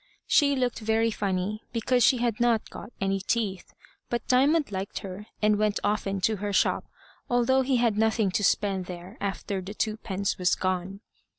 She looked very funny, because she had not got any teeth, but Diamond liked her, and went often to her shop, although he had nothing to spend there after the twopence was gone.